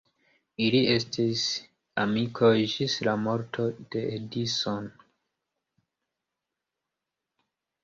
Ili estis amikoj ĝis la morto de Edison.